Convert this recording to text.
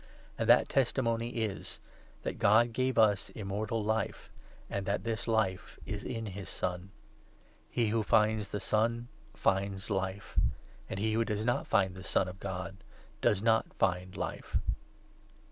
And that testimony is that God gave us Immortal Life, n and that this Life is in his Son. He who finds the Son 12 finds Life ; he who does not find the Son of God does not find Life.